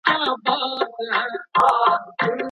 قلمي خط د هیري ناروغۍ لپاره ښه درمل دی.